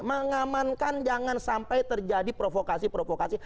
mengamankan jangan sampai terjadi provokasi provokasi